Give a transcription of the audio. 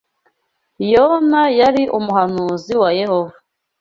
Yona yari umuhanuzi wa Yehova